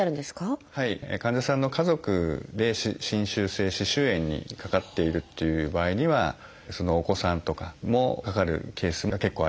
患者さんの家族で侵襲性歯周炎にかかっているっていう場合にはそのお子さんとかもかかるケースが結構あります。